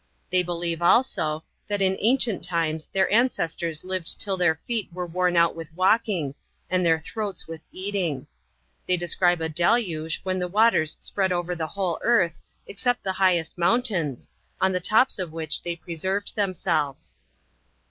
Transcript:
They believe also, that in ancient times their ancestors lived till their feet were worn out with walking, and their throats with eating. They describe a deluge, when the waters spread over the whole earth, except the highest mountains, on the tops of which they preserved themselves.